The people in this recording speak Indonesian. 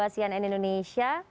dua sian n indonesia